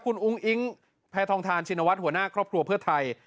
คุณอุ้งอิ๊งแพทองทานชินวัฒน์หัวหน้าครอบครัวเพื่อไทย